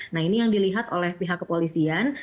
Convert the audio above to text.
nah ini yang dilihat oleh pihak kepolisian